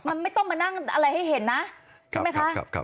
มันไม่ต้องมานั่งอะไรให้เห็นนะใช่ไหมคะ